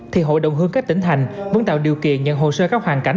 thì hội đồng hương các tỉnh thành vẫn tạo điều kiện nhận hồ sơ các hoàn cảnh